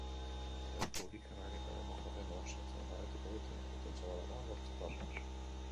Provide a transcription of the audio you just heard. Errepublikanoek eta demokratek negoziatzen jarraituko dute, itun zabalagoa lortzeko asmoz.